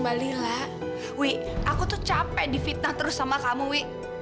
kemati dia melakukan intinya tentang masalah keindahan